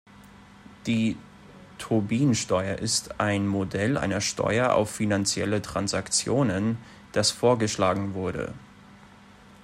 Die Tobin-Steuer ist ein Modell einer Steuer auf finanzielle Transaktionen, das vorgeschlagen wurde.